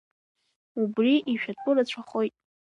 Убра ишәатәу рацәахоит.